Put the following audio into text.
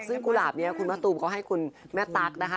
ซึ่งกุหลาบนี้คุณมะตูมก็ให้คุณแม่ตั๊กนะคะ